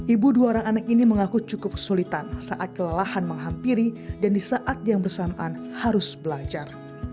ibu dua orang anak ini mengaku cukup kesulitan saat kelelahan menghampiri dan di saat yang bersamaan harus belajar